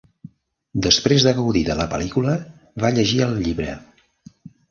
Després de gaudir de la pel·lícula, va llegir el llibre.